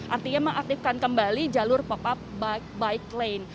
artinya mengaktifkan kembali jalur pop up bike lane